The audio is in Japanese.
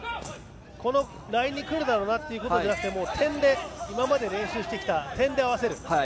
このラインにくるだろうなということではなくて点で、今まで練習してきた点で合わせる。